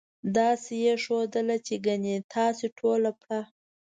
داسې یې ښودله چې ګنې تاسې ټوله پړه.